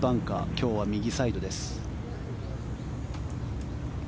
今日は右サイドです。